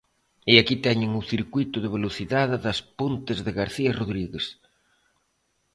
E aquí teñen o circuíto de velocidade das Pontes de García Rodríguez.